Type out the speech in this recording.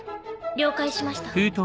了解しました。